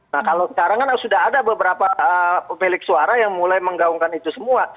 nah kalau sekarang kan sudah ada beberapa pemilik suara yang mulai menggaungkan itu semua